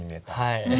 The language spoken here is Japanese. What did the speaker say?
はい。